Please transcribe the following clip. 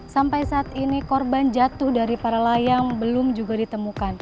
sampai saat ini korban jatuh dari para layang belum juga ditemukan